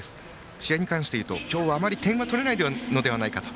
試合に関していうと今日はあまり点が取れないのではないかと。